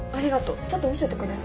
ちょっと見せてくれる？